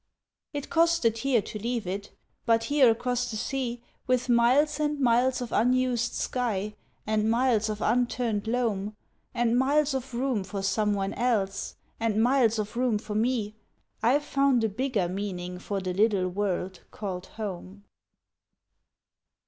It cost a tear to leave it but here across the sea With miles and miles of unused sky, and miles of unturned loam, And miles of room for someone else, and miles of room for me I've found a bigger meaning for the little word called "Home."